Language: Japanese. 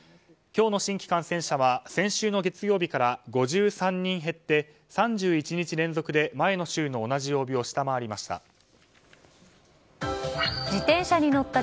今日の新規感染者は先週の月曜日から５３人減って３１日連続で前の週の同じ曜日を下回りました。